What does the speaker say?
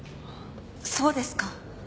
そうですか。